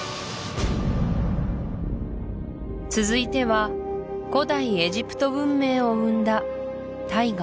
続いては古代エジプト文明を生んだ大河